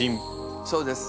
そうです。